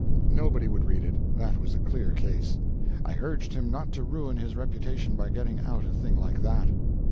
Nobody would read it, that was a clear case. I urged him not to ruin his reputation by getting out a thing like that.